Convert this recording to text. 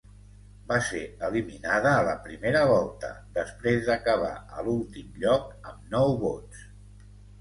Va ser eliminada a la primera volta després d’acabar a l’últim lloc amb nou vots.